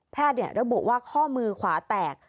ระบุว่าข้อมือขวาแตก